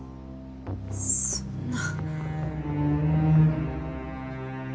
そんな。